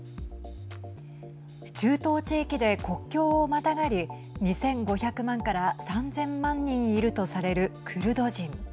中東地域で国境をまたがり２５００万から３０００万人いるとされるクルド人。